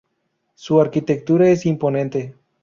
Su arquitectura es imponente.